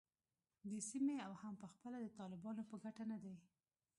د سیمې او هم پخپله د طالبانو په ګټه نه دی